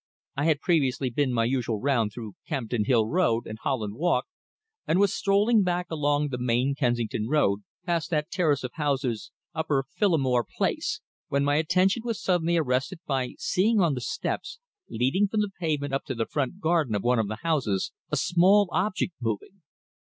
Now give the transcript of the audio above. "I had previously been my usual round through Campden Hill Road and Holland Walk, and was strolling back along the main Kensington Road, past that terrace of houses Upper Phillimore Place, when my attention was suddenly arrested by seeing on the steps leading from the pavement up to the front garden of one of the houses a small object moving.